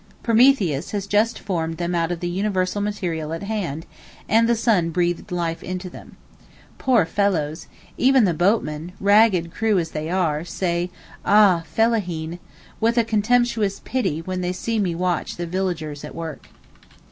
Prometheus has just formed them out of the universal material at hand, and the sun breathed life into them. Poor fellows—even the boatmen, ragged crew as they are—say 'Ah, Fellaheen!' with a contemptuous pity when they see me watch the villagers at work.